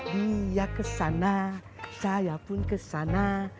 dia kesana saya pun kesana